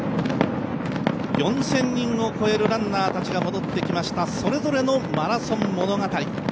４０００人を超えるランナーたちが戻ってきました、それぞれのマラソン物語。